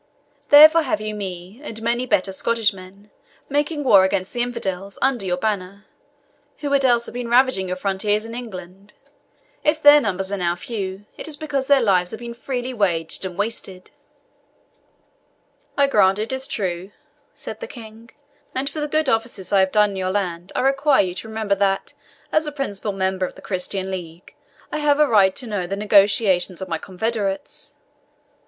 Therefore have you me, and many better Scottish men, making war against the infidels, under your banners, who would else have been ravaging your frontiers in England. If their numbers are now few, it is because their lives have been freely waged and wasted." "I grant it true," said the King; "and for the good offices I have done your land I require you to remember that, as a principal member of the Christian league, I have a right to know the negotiations of my confederates.